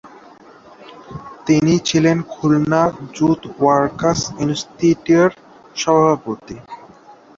তিনি ছিলেন Khulna jute workers ইনস্টিটিউটের সভাপতি।